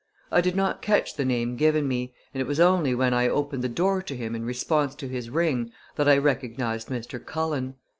I did not catch the name given me, and it was only when I opened the door to him in response to his ring that I recognized Mr. Cullen.